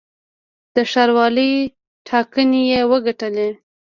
د ښاروالۍ ټاکنې یې وګټلې.